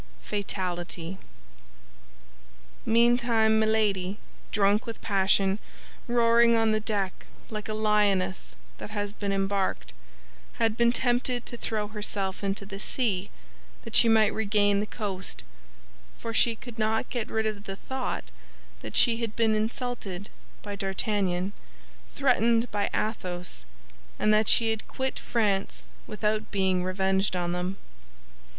FATALITY Meantime Milady, drunk with passion, roaring on the deck like a lioness that has been embarked, had been tempted to throw herself into the sea that she might regain the coast, for she could not get rid of the thought that she had been insulted by D'Artagnan, threatened by Athos, and that she had quit France without being revenged on them.